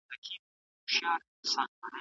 پښتو ژبه زموږ د کلتور ساتونکي ده.